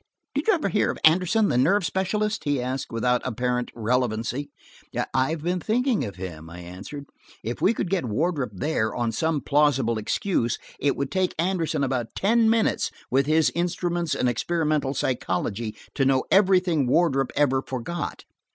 "Did you ever hear of Anderson, the nerve specialist ?" he asked, without apparent relevancy. "I have been thinking of him," I answered. "If we could get Wardrop there, on some plausible excuse, it would take Anderson about ten minutes with his instruments and experimental psychology, to know everything Wardrop ever forgot."